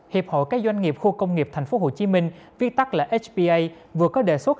hiệp hội các doanh nghiệp khu công nghiệp tp hcm viết tắt là spa vừa có đề xuất